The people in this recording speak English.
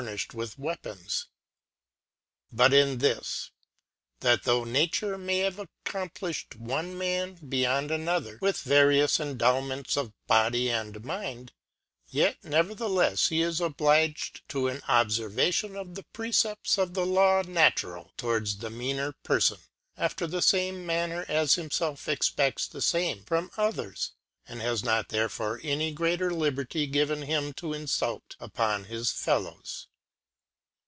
N, nifhed with Weapons \ but in this, that though^ 1 ^* 2. Nature may have accomplifhed one Man be ^H yond 5.8 The Whole Duty of Man, Book I. yond another with various Endowments of Body and Mind ŌĆó, yet neverthelefs he is obhged to an Obfervation of the Precepts of the Law Natural towards the meaner Perfon, after the fame man ner as bimfelf cxpcdis the fame from others ŌĆó, and has not therefore any greater Liberty given him to infult upon his F( Hows.